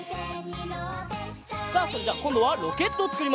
さあそれじゃこんどはロケットをつくります。